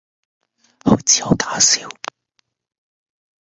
好似好搞笑